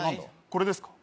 これですか？